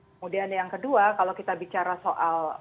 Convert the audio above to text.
kemudian yang kedua kalau kita bicara soal